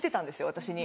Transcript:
私に。